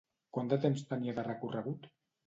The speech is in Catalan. Quant de temps tenia de recorregut?